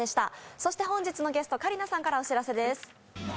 そして本日のゲスト、香里奈さんからお知らせです。